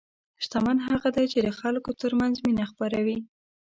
شتمن هغه دی چې د خلکو ترمنځ مینه خپروي.